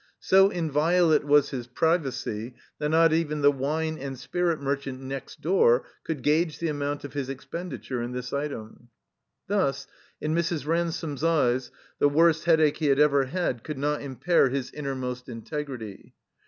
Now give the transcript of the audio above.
So invio late was his privacy that not even the wine and spirit merchant next door could gage the amotmt of his expenditttre in this item. Thus, in Mrs. Ransome's eyes, the worst Headache he had ever had could not impair his innermost integrity.